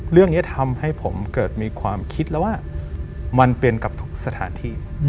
เรื่องนี้ทำให้ผมเกิดมีความคิดแล้วว่ามันเป็นกับทุกสถานที่